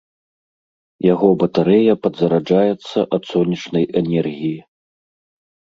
Яго батарэя падзараджаецца ад сонечнай энергіі.